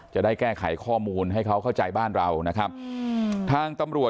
จะได้แก้ไขข้อมูลให้เขาเข้าใจบ้านเรานะครับ